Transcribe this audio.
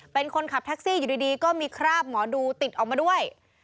เป็นคนขับแท็กซี่อยู่ดีก็มีคราบหมอดูติดออกมาด้วย